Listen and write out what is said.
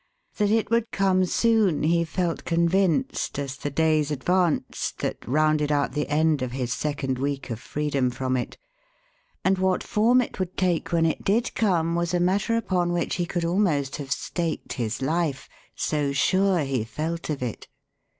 That it would come soon he felt convinced as the days advanced that rounded out the end of his second week of freedom from it; and what form it would take when it did come was a matter upon which he could almost have staked his life, so sure he felt of it.